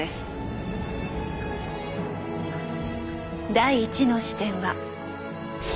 第１の視点は。